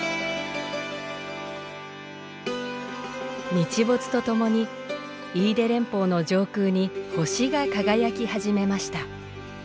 日没とともに飯豊連峰の上空に星が輝き始めました。